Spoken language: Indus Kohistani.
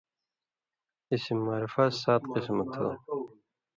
اسم معرفہ سات قسمہ تُھو